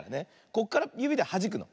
こっからゆびではじくの。